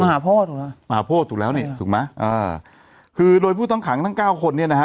มหาโพธถูกแล้วมหาโพธถูกแล้วนี่ถูกไหมคือโดยผู้ต้องขังทั้ง๙คนเนี้ยนะฮะ